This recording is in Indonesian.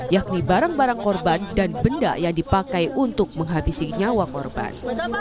yakni barang barang korban dan benda yang dipakai untuk menghabisi nyawa korban